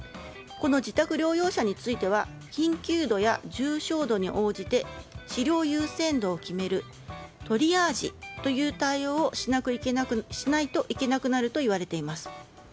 この自宅療養者については緊急度や重症度に応じて治療優先度を決めるトリアージという対応をしないといけなくなるといわれています。